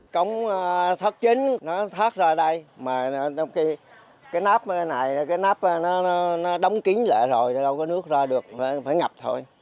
cống thoát chính nó thoát ra đây mà cái nắp này nó đóng kín lại rồi đâu có nước ra được phải ngập thôi